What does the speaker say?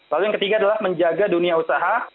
lalu yang ketiga adalah menjaga dunia usaha